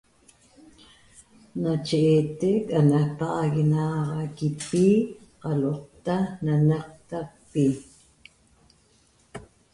nache etec ana paxaguenaxaquipi qalotaa na naqtacpi.